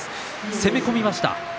攻め込みました。